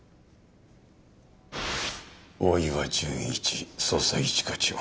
大岩純一捜査一課長。